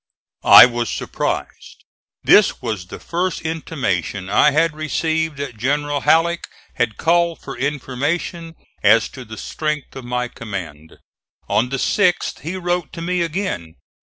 I was surprised. This was the first intimation I had received that General Halleck had called for information as to the strength of my command. On the 6th he wrote to me again.